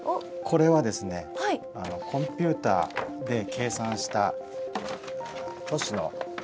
これはですねコンピューターで計算した都市の気温の分布。